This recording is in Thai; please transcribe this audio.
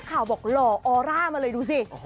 ข่าวบอกหล่อออร่ามาเลยดูสิ